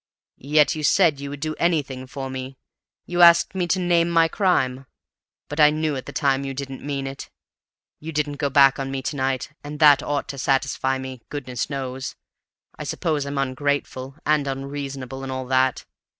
"Yet you said you would do anything for me! You asked me to name my crime! But I knew at the time you didn't mean it; you didn't go back on me to night, and that ought to satisfy me, goodness knows! I suppose I'm ungrateful, and unreasonable, and all that.